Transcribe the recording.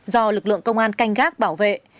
do lực lượng công an canh gác bảo vệ